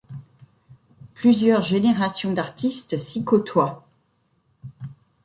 Plusieurs générations d’artistes s’y côtoient.